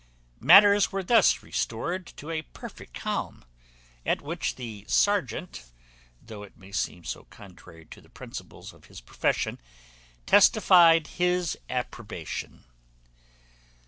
Matters were thus restored to a perfect calm; at which the serjeant, though it may seem so contrary to the principles of his profession, testified his approbation.